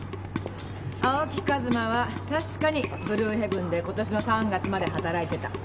青木和馬は確かに「ブルーヘブン」で今年の３月まで働いてた。